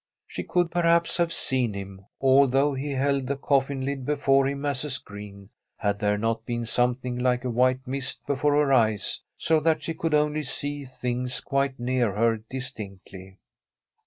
She could, per haps, have seen him, although he held the coffin lid before him as a screen, had there not been something like a white mist before her eyes so that she could only see things quite near her distinctly.